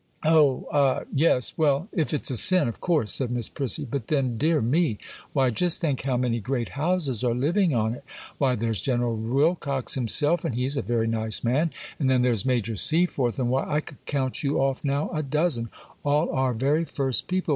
'Oh, ah, yes. Well, if it's a sin, of course,' said Miss Prissy; 'but then, dear me! Why, just think how many great houses are living on it. Why, there's General Wilcox himself, and he's a very nice man; and then there's Major Seaforth; and why, I could count you off now a dozen—all our very first people.